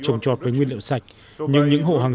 trồng trọt với nguyên liệu sạch nhưng những hộ hàng